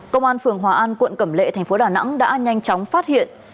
công an phường hòa an quận cẩm lệ thành phố đà nẵng đã nhanh chóng phát hiện